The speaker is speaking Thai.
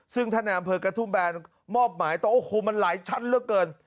ซึ่งถ้าแนมเผิดกระทุ่มแบรนด์มอบหมายโอ้โหมันหลายชั้นแล้วเกิน